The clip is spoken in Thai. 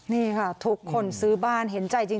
นี่ค่ะทุกคนซื้อบ้านเห็นใจจริง